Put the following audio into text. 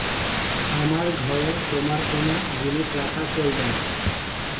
আমার ঘরে তোমার কোনো জিনিস রাখা চলবে না।